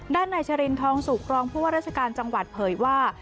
นายชรินทองสุกรองผู้ว่าราชการจังหวัดเผยว่า